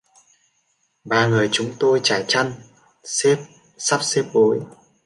Ba người chúng tôi trải chăn, sắp xếp gối